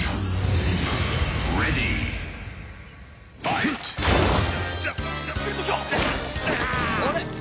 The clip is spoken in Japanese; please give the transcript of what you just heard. あれ？